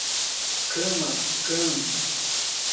Camaquã